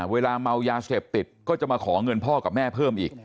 เวลาเมายาเสพติดก็จะมาขอเงินพ่อกับแม่เพิ่มอีก